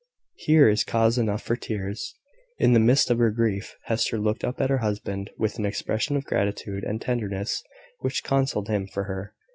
Here is cause enough for tears." In the midst of her grief, Hester looked up at her husband with an expression of gratitude and tenderness which consoled him for her.